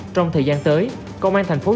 trong thời gian tới công an tp hcm